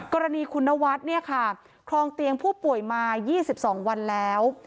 กรณีคุณนวัดคลองเตียงผู้ป่วยมา๒๒วันแล้ว